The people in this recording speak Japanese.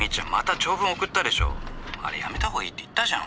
あれやめたほうがいいって言ったじゃん」。